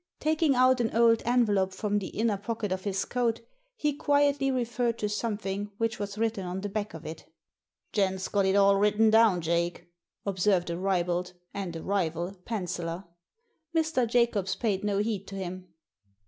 Taking out an old envelope from the inner pocket of his coat, he quietly referred to something which was written on the back of it " Gent* s got it all written down, Jake," observed a ribald — and a rival — penciller. Mr. Jacobs paid no heed to him.